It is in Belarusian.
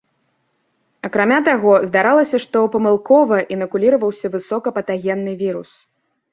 Акрамя таго, здаралася, што памылкова інакуліраваўся высока патагенны вірус.